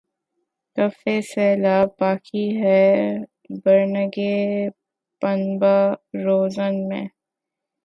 کفِ سیلاب باقی ہے‘ برنگِ پنبہ‘ روزن میں